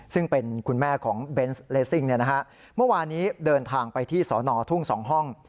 ซึ่งเป็นคุณแม่ของเบนส์เลซิ่งเมื่อวานนี้เดินทางไปที่สอนอทุ่ง๒ห้อง